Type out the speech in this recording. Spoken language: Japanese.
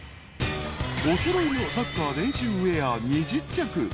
［お揃いのサッカー練習ウエア２０着］